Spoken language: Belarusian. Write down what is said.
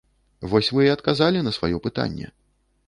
Вось вы і адказалі на сваё пытанне.